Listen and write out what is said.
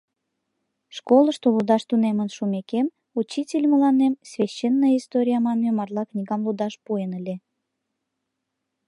Школышто лудаш тунемын шумекем, учитель мыланем «Священная история» манме марла книгам лудаш пуэн ыле.